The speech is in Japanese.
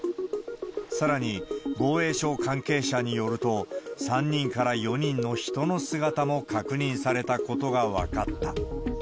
さらに、防衛省関係者によると、３人から４人の人の姿も確認されたことが分かった。